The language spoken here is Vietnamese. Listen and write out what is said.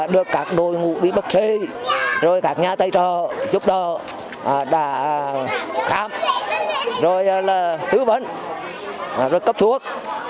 đội ngũ y bác sĩ các nhà tây trò giúp đỡ đã khám tư vấn cấp thuốc